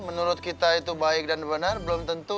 menurut kita itu baik dan benar belum tentu